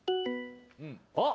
あっ